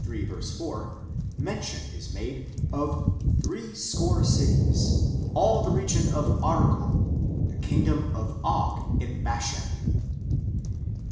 4 mention is made of " three score cities, all the region of Argob, the kingdom of Og in Bashan " (cp.